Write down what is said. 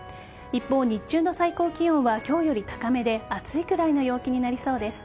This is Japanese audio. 一方、日中の最高気温は今日より高めで暑いくらいの陽気になりそうです。